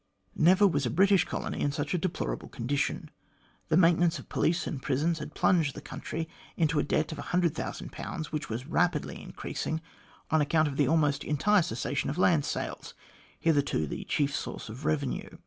Never was a British colony in such a deplorable position. The maintenance of police and prisons had plunged the country into a debt of 100,000, which was rapidly increasing, on account of the almost entire cessation of land sales, hitherto the chief source of revenue.